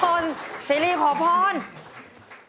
มันเกิดอะไรขึ้นครับขอโทษสิริขอโทษ